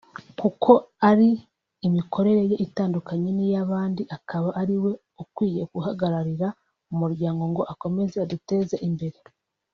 kuko ari imikorere ye itandukanye n’iy’abandi akaba ari we ukwiye guhagararira umuryango ngo akomeze aduteze imbere"